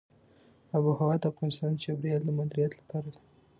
آب وهوا د افغانستان د چاپیریال د مدیریت لپاره ده.